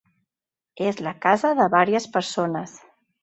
És la casa de vàries persones.